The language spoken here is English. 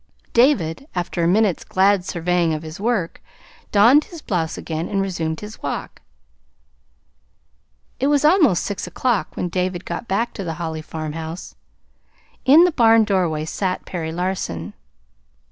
David, after a minute's glad surveying of his work, donned his blouse again and resumed his walk. It was almost six o'clock when David got back to the Holly farmhouse. In the barn doorway sat Perry Larson.